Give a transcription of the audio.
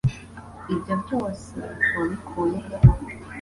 Ibyo byose wabikuye he?